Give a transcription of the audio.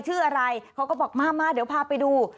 ชื่ออะไรเขาก็บอกมามาเดี๋ยวพาไปดู